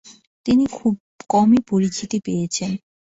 তিনি খুব কমই পরিচিতি পেয়েছেন।